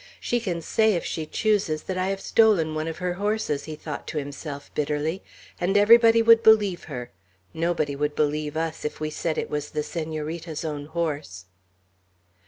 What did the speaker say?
"She can say, if she chooses, that I have stolen one of her horses," he thought to himself bitterly; "and everybody would believe her. Nobody would believe us, if we said it was the Senorita's own horse."